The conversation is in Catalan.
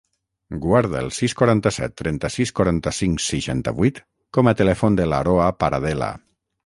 Guarda el sis, quaranta-set, trenta-sis, quaranta-cinc, seixanta-vuit com a telèfon de l'Aroa Paradela.